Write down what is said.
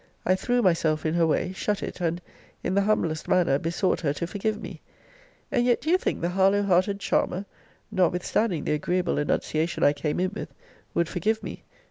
I threw myself in her way, shut it, and, in the humblest manner, besought her to forgive me. And yet do you think the Harlowe hearted charmer (notwithstanding the agreeable annunciation I came in with) would forgive me?